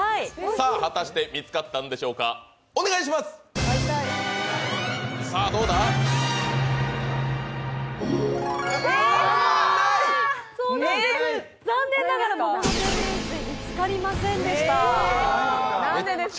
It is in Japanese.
果たして見つかったんでしょうかお願いします。